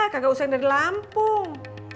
kagak usah yang dari lampung